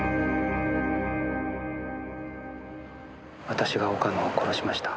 私が岡野を殺しました。